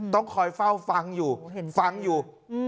ต้องคอยเฝ้าฟังอยู่